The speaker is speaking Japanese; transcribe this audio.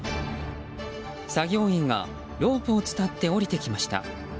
作業員がロープを伝って降りてきました。